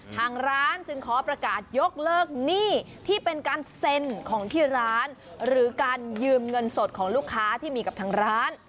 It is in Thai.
ทางร้านจึงขอประกาศยกเลิกหนี้ที่เป็นการเซ็นของที่ร้านหรือการยืมเงินสดของลูกค้าที่มีกับทางร้าน